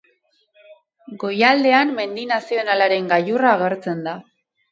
Goialdean mendi nazionalaren gailurra agertzen da.